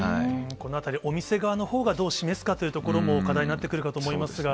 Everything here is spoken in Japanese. このあたり、お店側のほうがどう示すかというところも課題になってくるかと思いますが。